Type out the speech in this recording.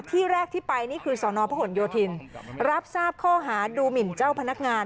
ที่แรกที่ไปนี่คือสอนอพหลโยธินรับทราบข้อหาดูหมินเจ้าพนักงาน